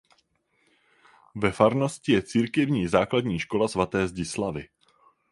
Ve farnosti je církevní základní škola svaté Zdislavy.